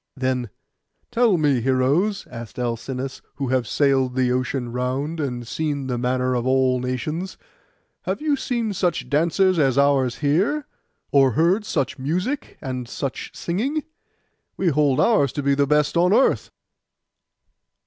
Then, 'Tell me, heroes,' asked Alcinous, 'you who have sailed the ocean round, and seen the manners of all nations, have you seen such dancers as ours here, or heard such music and such singing? We hold ours to be the best on earth.